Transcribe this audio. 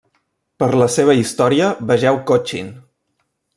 Per la seva història vegeu Cochin.